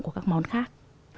của các món khác